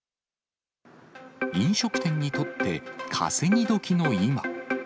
飲食店にとって稼ぎどきの今。